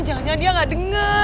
jangan jangan dia nggak denger